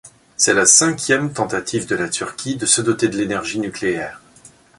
C'est la cinquième tentative de la Turquie de se doter de l'énergie nucléaire.